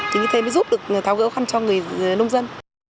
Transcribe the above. chính thế mới giúp được tháo gỡ khăn cho người nông dân